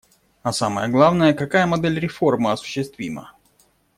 А самое главное: какая модель реформы осуществима?